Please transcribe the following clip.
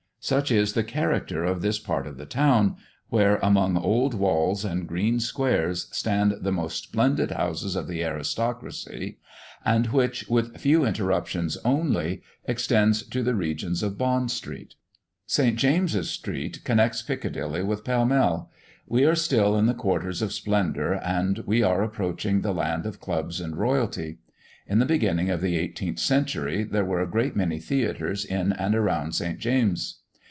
Such is the character of this part of the town, where, among old walls and green squares stand the most splendid houses of the aristocracy; and which, with few interruptions only, extends to the regions of Bond street. St. James's street connects Piccadilly with Pall mall. We are still in the quarters of splendour, and we are approaching the land of clubs and royalty. In the beginning of the 18th century there were a great many theatres in and around St. James's.